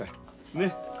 ねっ。